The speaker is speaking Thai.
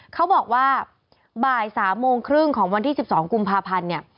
เขาบอกว่าบ่าย๓โมงครึ่งของวันที่๑๒กุมภาพันธ์เนี่ย